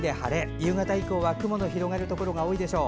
夕方以降は雲の広がるところが多いでしょう。